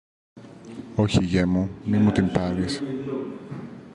Όχι, γιε μου, μη μου την πάρεις